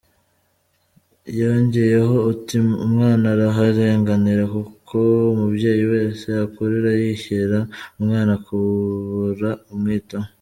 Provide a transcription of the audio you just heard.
Yongeyeho ati”Umwana araharenganira kuko umubyeyi wese akurura yishyira, umwana akabura umwitaho.